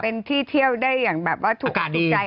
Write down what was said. เป็นที่เที่ยวได้อย่างแบบว่าถูกอกถูกใจ